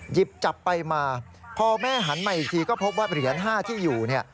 หยิบจับไปมาพอแม่หันมาอีกทีก็พบว่าเหรียญ๕ที่อยู่เนี่ย